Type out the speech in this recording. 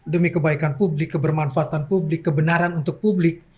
demi kebaikan publik kebermanfaatan publik kebenaran untuk publik